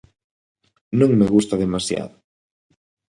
Non me gusta demasiado.